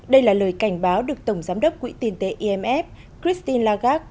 đây là lời cảnh báo được tổng giám đốc quỹ tiền tế imf christine lagarde